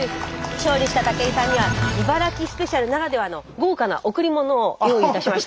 勝利した武井さんには茨城スペシャルならではの豪華な贈り物を用意いたしました。